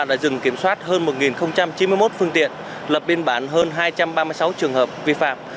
đã dừng kiểm soát hơn một chín mươi một phương tiện lập biên bản hơn hai trăm ba mươi sáu trường hợp vi phạm